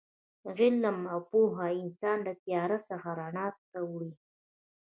علم او پوهه انسان له تیاره څخه رڼا ته وړي.